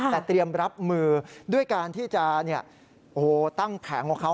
แต่เตรียมรับมือด้วยการที่จะตั้งแผงของเขา